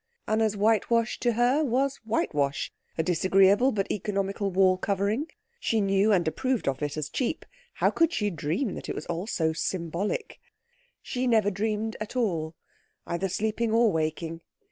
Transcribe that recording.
Anna's whitewash to her was whitewash; a disagreeable but economical wall covering. She knew and approved of it as cheap; how could she dream that it was also symbolic? She never dreamed at all, either sleeping or waking.